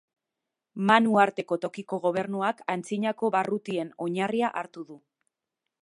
Man uharteko tokiko gobernuak antzinako barrutien oinarria hartu du.